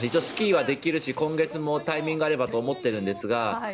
スキーはできるし今月もタイミングがあればと思っているんですが